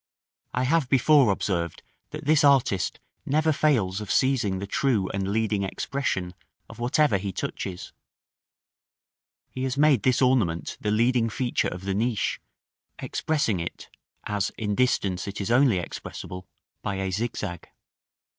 I have before observed that this artist never fails of seizing the true and leading expression of whatever he touches: he has made this ornament the leading feature of the niche, expressing it, as in distance it is only expressible, by a zigzag.